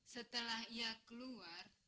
setelah ia keluar